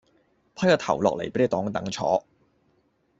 批個頭落嚟畀你當凳坐